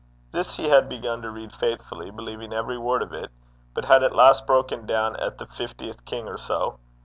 This he had begun to read faithfully, believing every word of it, but had at last broken down at the fiftieth king or so.